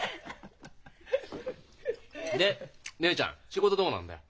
で姉ちゃん仕事どうなんだよ？